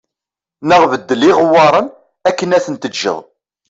Neɣ beddel iɣewwaṛen akken ad ten-teǧǧeḍ